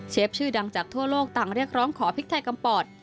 ชื่อดังจากทั่วโลกต่างเรียกร้องขอพริกไทยกำปอด